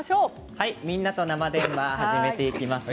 「みんなと生電話」始めていきます。